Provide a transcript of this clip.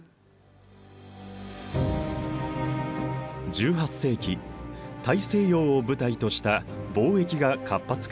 １８世紀大西洋を舞台とした貿易が活発化する。